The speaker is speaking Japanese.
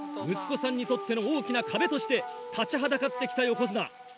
息子さんにとっての大きな壁として立ちはだかってきた横綱。